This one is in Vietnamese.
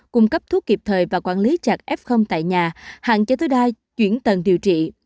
cung cấp thuốc kịp thời và quản lý chặt f tại nhà hạn chế tới đai chuyển tầng điều trị